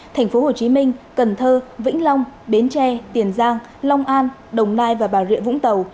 thành phố hồ chí minh cần thơ vĩnh long bến tre tiền giang long an đồng nai và bà rịa vũng tàu